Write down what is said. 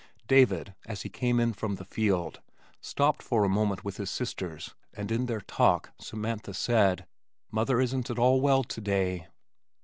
David, as he came in from the field, stopped for a moment with his sisters and in their talk Samantha said: "Mother isn't at all well today."